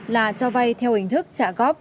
là cho vay theo hình thức trả góp